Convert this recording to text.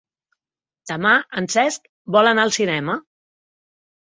Demà en Cesc vol anar al cinema.